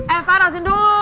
eh farah sini dulu